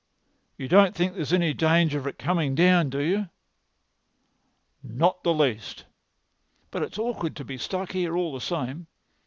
You don't think there's any danger of it coming down, do you?" "Not the least. But it's awkward to be stuck here all the same.